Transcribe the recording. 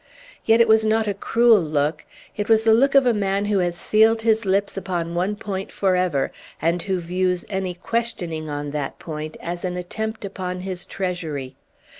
Yet it was not a cruel look; it was the look of a man who has sealed his lips upon one point for ever, and who views any questioning on that point as an attempt upon his treasury.